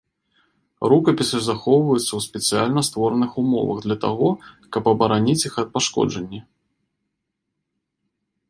Рукапісы захоўваюцца ў спецыяльна створаных умовах для таго, каб абараніць іх ад пашкоджанні.